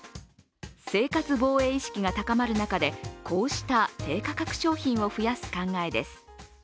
生活防衛意識が高まる中で、こうした低価格商品を増やす考えです。